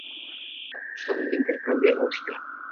Acusada de intercambiar música